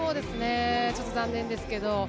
ちょっと残念です。